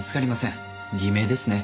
偽名ですね。